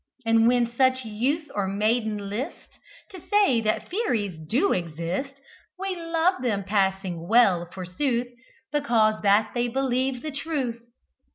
And when such youth or maiden list To say that Fairies do exist, We love them passing well, forsooth, Because that they believe the truth.